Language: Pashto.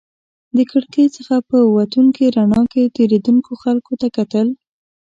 د کړکۍ څخه په وتونکې رڼا کې تېرېدونکو خلکو ته کتل.